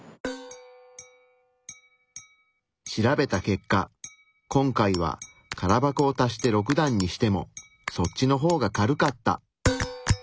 調べた結果今回は空箱を足して６段にしてもそっちの方が軽かった。